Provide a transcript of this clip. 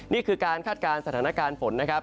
นี่คือการคาดการณ์สถานการณ์ฝน